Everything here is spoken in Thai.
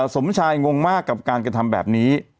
สมชายงงมากกับการกระทำแบบนี้